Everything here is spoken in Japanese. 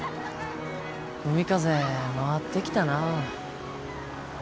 海風回ってきたなあ。